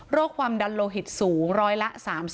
โรคความดันโลหิตสูง๑๐๐ละ๓๘